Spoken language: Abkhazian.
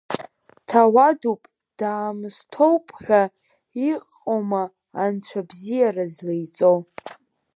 Дҭауадуп даамысҭоуп ҳәа иҟоума анцәа абзиара злеиҵо.